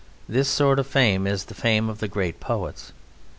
This sort of fame is the fame of the great poets.